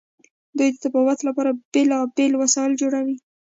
دوی د طبابت لپاره بیلابیل وسایل جوړوي.